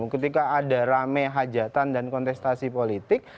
ketika ada rame hajatan dan kontestasi politik